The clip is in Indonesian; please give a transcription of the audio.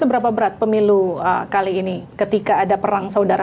seberapa berat pemilu kali ini ketika ada perang saudara